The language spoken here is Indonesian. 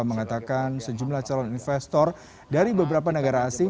mengatakan sejumlah calon investor dari beberapa negara asing